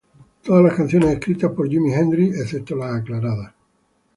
Todas las canciones escritas por Jimi Hendrix excepto las aclaradas.